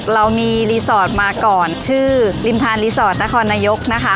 เรามีรีสอร์ทมาก่อนชื่อริมทานรีสอร์ทนครนายกนะคะ